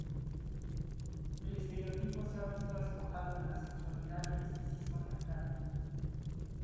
El estereotipo se ha visto despojado de la sexualidad y misticismo de antaño.